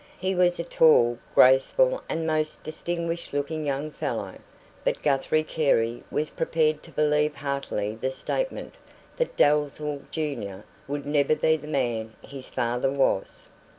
He was a tall, graceful and most distinguished looking young fellow; but Guthrie Carey was prepared to believe heartily the statement that Dalzell junior would never be the man his father was.